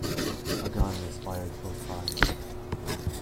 A gun is fired close by.